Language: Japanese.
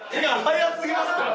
早すぎますって！